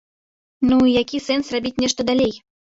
Ну, і які сэнс рабіць нешта далей?